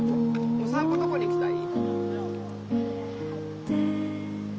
お散歩どこに行きたい？